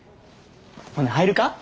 ほな入るか？